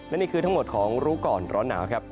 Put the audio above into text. และนี่คือทั้งหมดของรู้ก่อนร้อนหนาวครับ